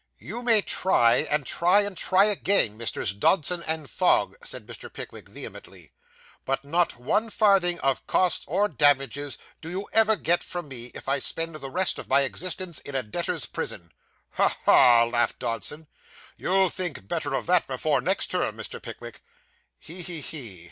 'You may try, and try, and try again, Messrs. Dodson and Fogg,' said Mr. Pickwick vehemently, 'but not one farthing of costs or damages do you ever get from me, if I spend the rest of my existence in a debtor's prison.' 'Ha! ha!' laughed Dodson. 'You'll think better of that, before next term, Mr. Pickwick.' 'He, he, he!